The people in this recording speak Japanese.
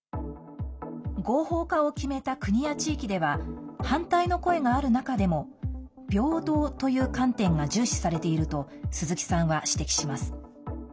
合法化を決めた国や地域では反対の声がある中でも平等という観点が重視されていると鈴木さんは指摘します。